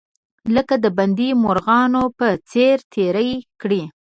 لکه د بندي مرغانو په څیر تیرې کړې.